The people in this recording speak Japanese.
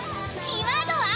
キーワードは。